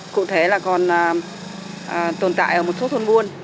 cụ thể là còn tồn tại ở một số thôn buôn